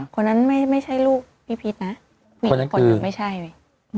คนนั้นไม่ใช่ลูกพี่พีชนะคนอื่นไม่ใช่